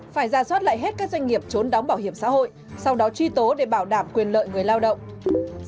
phải ra soát lại hết các doanh nghiệp trốn đóng bảo hiểm xã hội sau đó truy tố để bảo đảm quyền lợi người lao động